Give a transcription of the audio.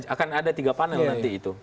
akan ada tiga panel nanti itu